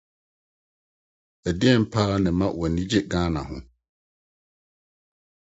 Ɛdeɛn pa ara na ɛma w’ani gye Ghana ho?